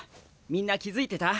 みんな気付いてた？